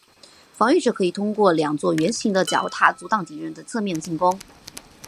防御者可以通过两座圆形的角塔阻挡敌人的侧面进攻。